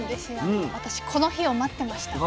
私この日を待ってました。